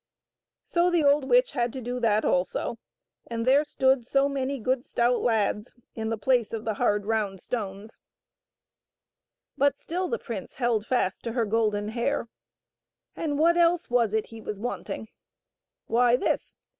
So the old witch had to do that also, and there stood so many good stout lads in the place of the hard, round stones. THE WHITE BIRD. 117 But still the prince held fast to her golden hair. And what else was it he was wanting? Why, this